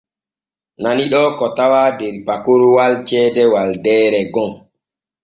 Nani ɗoo ko tawaa der pakoroowel ceede Waldeeree gom.